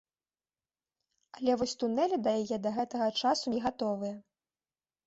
Але вось тунэлі да яе да гэтага часу не гатовыя.